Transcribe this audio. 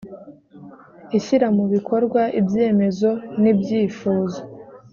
ishyira mu bikorwa ibyemezo n ibyifuzo